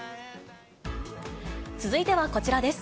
続いてはこちらです。